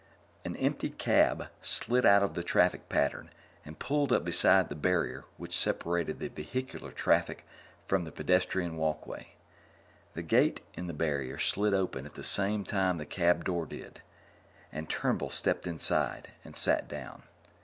An empty cab slid out of the traffic pattern and pulled up beside the barrier which separated the vehicular traffic from the pedestrian walkway. The gate in the barrier slid open at the same time the cab door did, and Turnbull stepped inside and sat down.